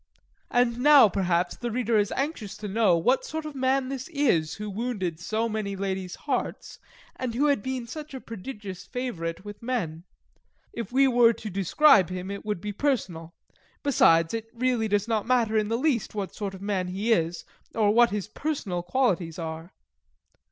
And now, perhaps, the reader is anxious to know what sort of a man this is who wounded so many ladies' hearts, and who has been such a prodigious favourite with men. If we were to describe him it would be personal. Besides, it really does not matter in the least what sort of a man he is, or what his personal qualities are.